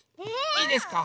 いいですか？